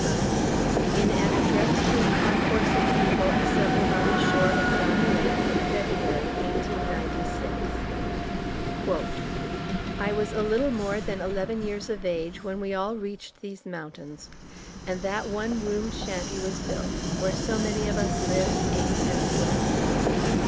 Murphy, in an address to a concourse of people assembled on the shore of Donner Lake in February, 1896: I was a little more than eleven years of age when we all reached these mountains, and that one roomed shanty was built, where so many of us lived, ate, and slept.